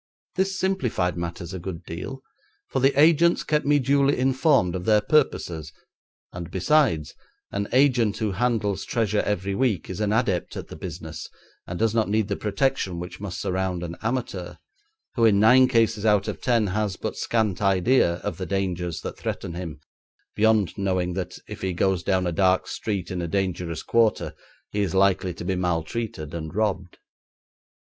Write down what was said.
This simplified matters a good deal, for the agents kept me duly informed of their purposes, and, besides, an agent who handles treasure every week is an adept at the business, and does not need the protection which must surround an amateur, who in nine cases out of ten has but scant idea of the dangers that threaten him, beyond knowing that if he goes down a dark street in a dangerous quarter he is likely to be maltreated and robbed.